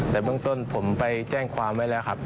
แต่เบื้องต้นผมไปแจ้งความไว้แล้วครับ